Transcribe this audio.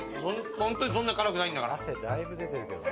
本当にそんな辛くないんだから。